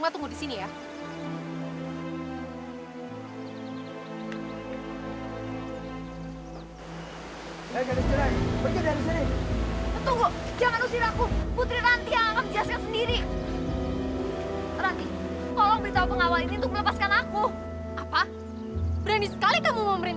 jangan lupa untuk berlangganan